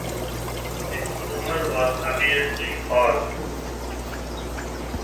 This rumor was, obviously, false.